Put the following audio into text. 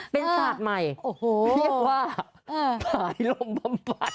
เป็นศาสตร์ใหม่โอ้โหเรียกว่าหายลมบำบัด